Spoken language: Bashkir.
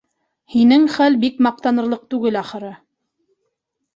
Һинең хәл бик маҡтанырлыҡ түгел, ахыры.